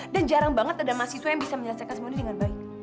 dan jarang banget ada mahasiswa yang bisa menyelesaikan semuanya dengan baik